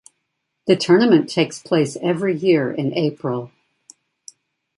The tournament takes place every year in April.